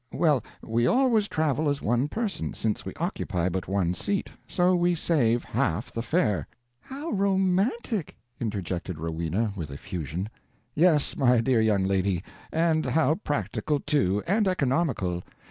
Well, we always travel as one person, since we occupy but one seat; so we save half the fare." "How romantic!" interjected Rowena, with effusion. "Yes, my dear young lady, and how practical too, and economical.